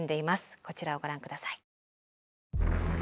こちらをご覧下さい。